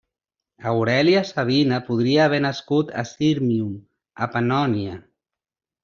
Aurèlia Sabina podria haver nascut a Sírmium, a Pannònia.